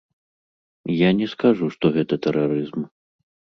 Я не скажу, што гэта тэрарызм.